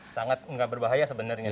sangat nggak berbahaya sebenarnya